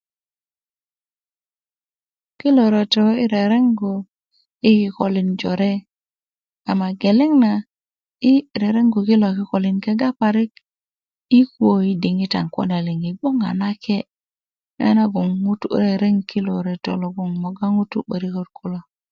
kilo reto yi rereŋgu yi kikolin jore sma geleŋ na yi' rereŋgu kilo kokolin kega parik i kuwö i diŋitan kune liŋ i gnoŋ a makye' nyenagon ŋutu' reereŋ kiloret logoŋ mogga ŋutu' yi 'böriköt kilo